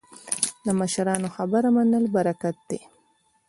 د مشرانو خبره منل برکت دی